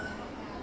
trước khi vào quán